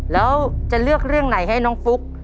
แล้วจะเลือกเรื่องไหนให้น้องฟุ๊ก